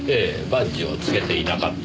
バッジをつけていなかった事。